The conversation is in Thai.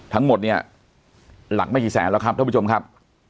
ทั้งหมดเนี่ยหลักไม่กี่แสนแล้วครับท่านผู้ชมครับ